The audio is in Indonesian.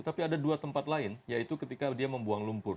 tapi ada dua tempat lain yaitu ketika dia membuang lumpur